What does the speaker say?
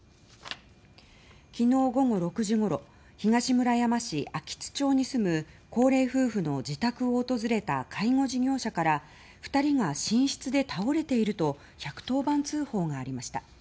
昨日午後６時ごろ東村山市秋津町に住む高齢夫婦の自宅を訪れた介護事業者から２人が寝室で倒れていると１１０番通報がありました。